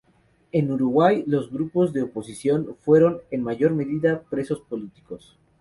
En Uruguay los grupos de oposición fueron, en mayor medida, presos políticos.